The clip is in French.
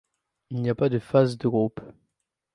Il n'y a pas de phase de groupes.